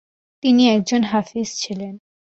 তিনি একজন হাফিজ ছিলেন।